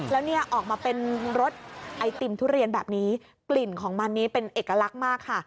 แล้วเนี่ยออกมาเป็นรสไอติมทุเรียนแบบนี้กลิ่นของมันนี้เป็นเอกลักษณ์มากค่ะ